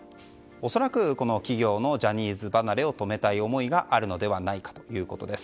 恐らく、企業のジャニーズ離れを止めたい思いがあるのではないかということです。